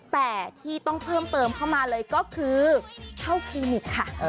แต่ที่ต้องเพิ่มเติมเข้ามาเลยก็คือเข้าคลินิกค่ะ